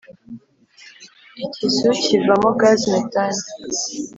ikizu kivamo gaz metane